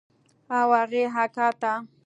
او هغې اکا ته.